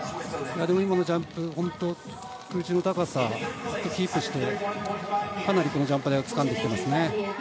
今のジャンプ空中の高さ、ずっとキープしてかなりジャンプ台をつかんできていますね。